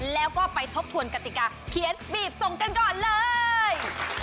แล้วก็ไปทบทวนกติกาเขียนบีบส่งกันก่อนเลย